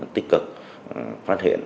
tích cực phát hiện